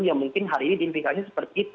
yang mungkin hari ini diimplikasikan seperti itu